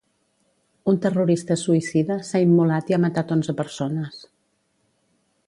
Un terrorista suïcida s’ha immolat i ha matat onze persones.